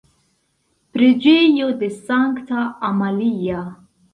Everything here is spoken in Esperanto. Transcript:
Preĝejo de Sankta Amalia.